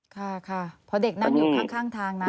ค่ะพอเด็กนั่งอยู่ข้างทางนะ